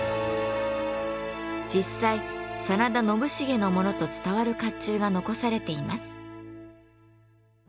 実際真田信繁のものと伝わる甲冑が残されています。